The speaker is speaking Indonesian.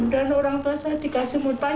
dan orang tua saya dikasih mudah mudahan